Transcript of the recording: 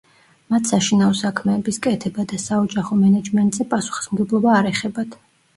მათ საშინაო საქმეების კეთება და საოჯახო მენეჯმენტზე პასუხისმგებლობა არ ეხებათ.